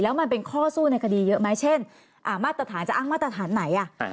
แล้วมันเป็นข้อสู้ในคดีเยอะไหมเช่นมาตรฐานจะอ้างมาตรฐานไหน